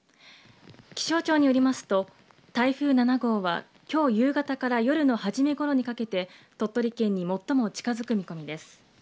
気象庁によりますと、台風７号は、きょう夕方から夜のはじめごろにかけて、鳥取県に最も近づく見込みです。